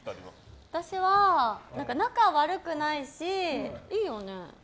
私は、仲悪くないしはい。